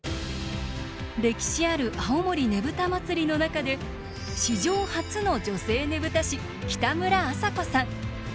歴史ある青森ねぶた祭の中で史上初の女性ねぶた師北村麻子さん。